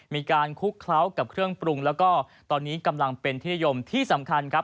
มีการคลุกเคล้ากับเครื่องปรุงแล้วก็ตอนนี้กำลังเป็นที่นิยมที่สำคัญครับ